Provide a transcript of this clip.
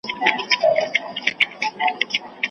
که لوی ماهی نه سې کېدای وړوکی جوړ که له ځان